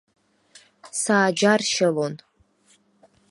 Сааџьаршьалон.